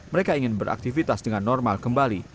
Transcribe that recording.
mereka ingin beraktivitas dengan normal kembali